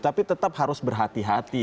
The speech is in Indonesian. tapi tetap harus berhati hati